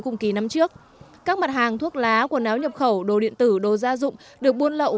cùng kỳ năm trước các mặt hàng thuốc lá quần áo nhập khẩu đồ điện tử đồ gia dụng được buôn lậu